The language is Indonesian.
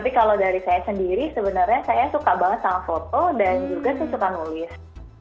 tapi kalau dari saya sendiri sebenarnya saya suka banget sama foto dan juga saya suka nulis